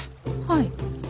はい。